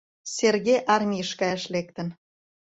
Серге армийыш каяш лектын.